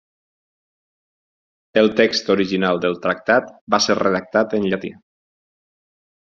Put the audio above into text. El text original del tractat va ser redactat en llatí.